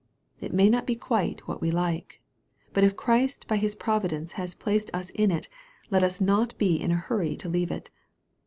It may not be quite what we like. But if Christ by His providence has placed us in it, let us not be in a hurry to leave it.